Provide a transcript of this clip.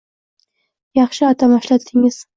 Yaxshi atama ishlatdingiz.